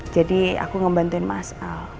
jadi aku ngebantuin mas al